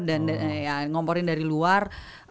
dan ya ngomporin dari luar